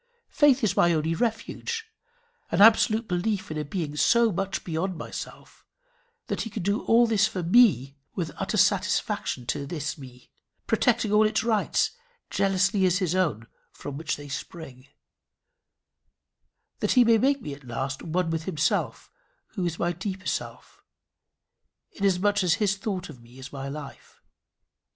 Faith is my only refuge an absolute belief in a being so much beyond myself, that he can do all for this me with utter satisfaction to this me, protecting all its rights, jealously as his own from which they spring, that he may make me at last one with himself who is my deeper self, inasmuch as his thought of me is my life.